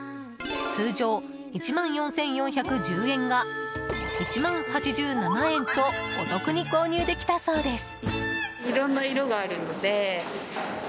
通常１万４４１０円が１万８７円とお得に購入できたそうです。